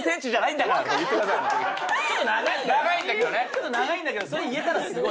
ちょっと長いんだけどそれ言えたらすごい。